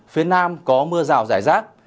phía nam có mưa rào rải rác